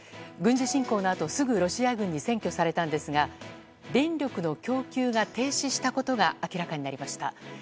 軍事侵攻のあと、すぐロシア軍に占拠されたんですが電力の供給が停止したことが明らかになりました。